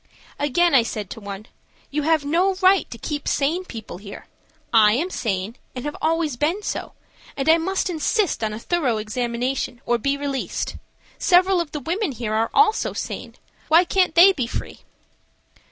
Again I said to one, "You have no right to keep sane people here. I am sane, have always been so and I must insist on a thorough examination or be released. Several of the women here are also sane. Why can't they be free?"